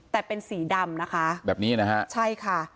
แต่เป็นสีดำนะคะแบบนี้นะฮะใช่ค่ะ